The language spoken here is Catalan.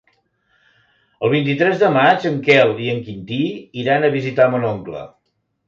El vint-i-tres de maig en Quel i en Quintí iran a visitar mon oncle.